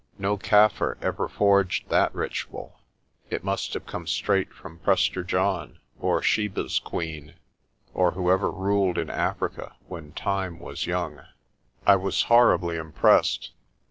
No Kaffir ever forged that ritual. It must have come straight from Prester John or Sheba's queen, or whoever ruled in Africa when time was young. I was horribly impressed.